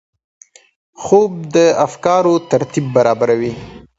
خوب د افکارو ترتیب برابروي